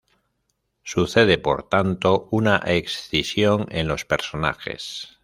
Sucede, por tanto, una escisión en los personajes.